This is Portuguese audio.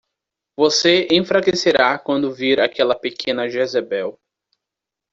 Você enfraquecerá quando vir aquela pequena Jezabel!